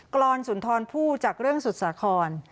กรรศุนทรพุธจากเรื่องสุทษาคร